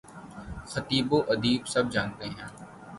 خطیب و ادیب سب جانتے ہیں۔